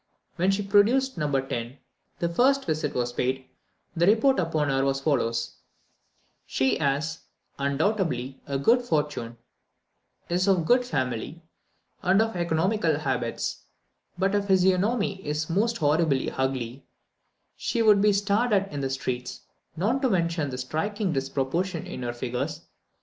When she produced No. 10, and the first visit was paid, the report upon her was as follows: "She has, undoubtedly, a good fortune, is of good family, and of economical habits: but her physiognomy is most horribly ugly; she would be stared at in the streets, not to mention the striking disproportion in our figures.